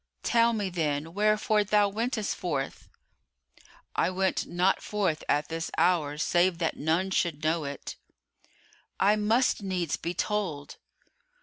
"Tell me then wherefore thou wentest forth?" "I went not forth at this hour save that none should know it." "I must needs be told."